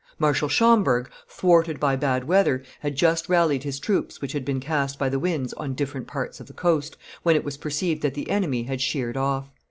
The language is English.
Marshal Schomberg, thwarted by bad weather, had just rallied his troops which had been cast by the winds on different parts of the coast, when it was perceived that the enemy had sheered off.